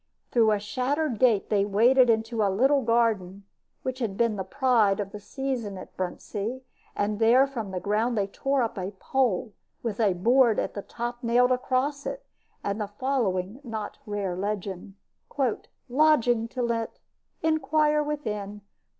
Through a shattered gate they waded into a little garden, which had been the pride of the season at Bruntsea; and there from the ground they tore up a pole, with a board at the top nailed across it, and the following not rare legend: "Lodgings to let. Inquire within.